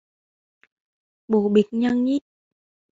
Bồ bịch nhăng nhít